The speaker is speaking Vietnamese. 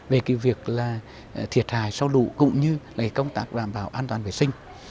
về việc thiệt hài sau lụt cũng như công tác đảm bảo an toàn vệ sinh